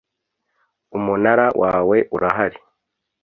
Umunara wawe urahari.